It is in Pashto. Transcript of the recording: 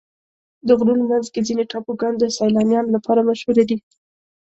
د غرونو منځ کې ځینې ټاپوګان د سیلانیانو لپاره مشهوره دي.